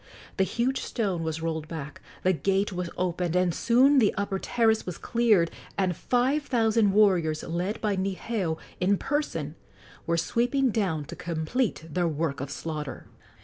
The huge stone was rolled back, the gate was opened, and soon the upper terrace was cleared and five thousand warriors, led by Niheu in person, were sweeping down to complete their work of slaughter.